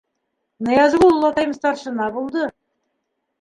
— Ныязғол олатайым старшина булды.